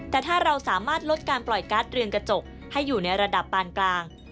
แต่ถ้าเราสามารถลดการปล่อยการ์ดเรืองกระจกให้อยู่ในระดับปานกลาง